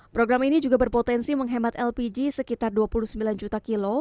program ini juga berpotensi menghemat lpg sekitar dua puluh sembilan juta kilo